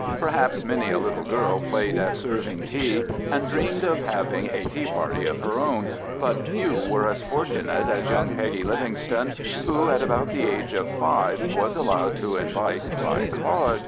Perhaps many a little girl played at serving tea and dreamed of having a tea party of her own, but few were as fortunate as young Peggy Livingston who, at about the age of five, was allowed to invite "by card